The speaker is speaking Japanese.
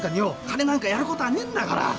金なんかやる事はねえんだから。